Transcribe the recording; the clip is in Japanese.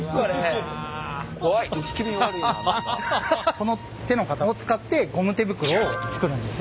この手の型を使ってゴム手袋を作るんです。